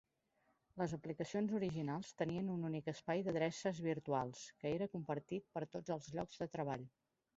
Les aplicacions originals tenien un únic espai d'adreces virtuals, que era compartit per tots els llocs de treball.